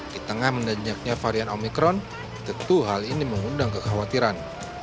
di tengah mendanyaknya varian omikron tentu hal ini mengundang kekhawatiran